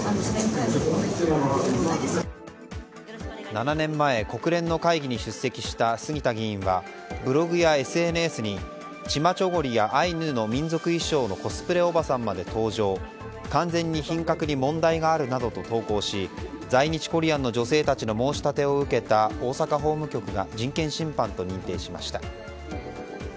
７年前、国連の会議に出席した杉田議員はブログやＳＮＳにチマチョゴリやアイヌ民族衣装のコスプレおばさんまで登場完全に品格に問題があるなどと投稿し在日コリアンの女性たちの申し立てを受けた大阪法務局が人権侵犯と認定しました。